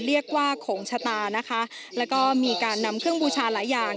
ของชะตานะคะแล้วก็มีการนำเครื่องบูชาหลายอย่าง